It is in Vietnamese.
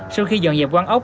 sau khi dọn dẹp quán ốc